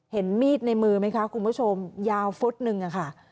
เห็นมีดในมือไหมคะคุณผู้ชมยาวฟุตหนึ่งอะค่ะ